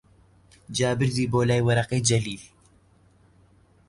جا بردی بۆلای وەرەقەی جەلیل